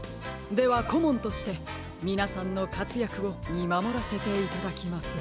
ではこもんとしてみなさんのかつやくをみまもらせていただきます。